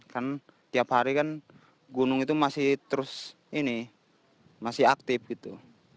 kan tiap hari kan gunung itu masih terus ini masih aktif gitu